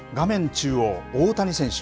中央、大谷選手。